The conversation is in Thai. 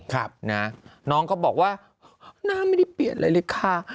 ครับนะน้องเขาบอกว่าหน้าไม่ได้เปลี่ยนอะไรเลยค่ะ